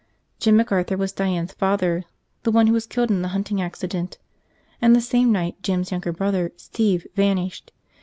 Jim McArthur was Diane's father, the one who was killed in the hunting accident. And the same night, Jim's younger brother, Steve vanished.